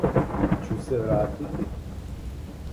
Ћу се вратити.